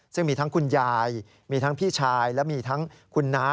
ซึ่งมีทั้งคุณยายมีทั้งพี่ชายและมีทั้งคุณน้า